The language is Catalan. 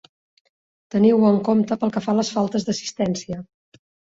Teniu-ho en compte pel que fa a les faltes d'assistència.